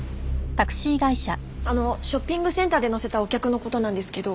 ショッピングセンターで乗せたお客の事なんですけど。